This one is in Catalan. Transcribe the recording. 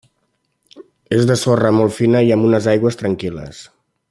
És de sorra molt fina i amb unes aigües tranquil·les.